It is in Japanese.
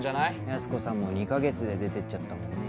やす子さんも二カ月で出てっちゃったもんね